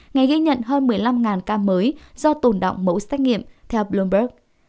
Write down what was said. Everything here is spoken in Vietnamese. ngày ghi nhận hơn một mươi năm ca mới do tồn động mẫu xét nghiệm theo bloomberg